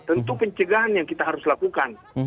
tentu pencegahan yang kita harus lakukan